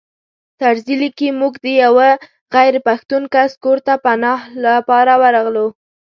طرزي لیکي موږ د یوه غیر پښتون کس کور ته پناه لپاره ورغلو.